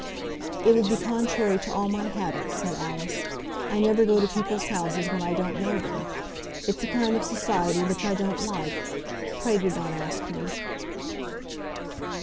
"It would be contrary to all my habits," said Alice: "I never go to people's houses when I don't know them. It's a kind of society which I don't like. Pray do not ask me."